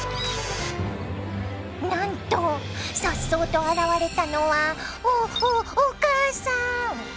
なんとさっそうと現れたのはおおお母さん。